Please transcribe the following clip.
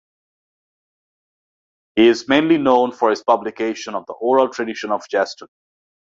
He is mainly known for his publication of the oral tradition of Gascony.